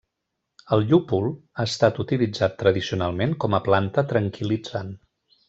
El llúpol ha estat utilitzat tradicionalment com a planta tranquil·litzant.